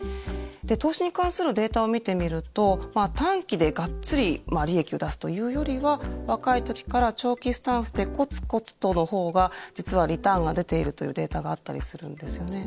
投資に関するデータを見てみると短期でがっつり利益を出すというよりは若いときから長期スタンスでコツコツとの方が実はリターンが出ているというデータがあったりするんですよね。